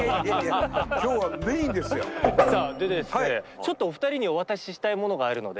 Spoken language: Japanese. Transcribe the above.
ちょっとお二人にお渡ししたいものがあるので。